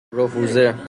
رفوزه